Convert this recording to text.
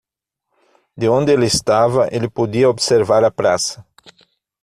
De onde ele estava, ele podia observar a praça.